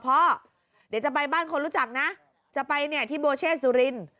พ่อเดี๋ยวจะไปบ้านคนรู้จักนะจะไปเนี่ยที่โบเช่สุรินทร์